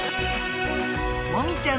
もみちゃん☆